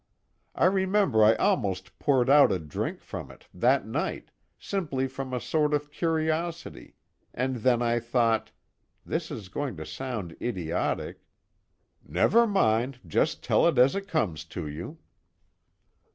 I remember I almost poured out a drink from it, that night, simply from a sort of curiosity, and then I thought this is going to sound idiotic " "Never mind, just tell it as it comes to you."